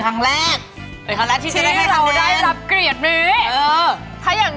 ขอรับทีจะได้แค่ขนาดนี้